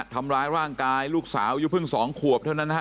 ทำร้ายร่างกายลูกสาวอายุเพิ่ง๒ขวบเท่านั้นนะฮะ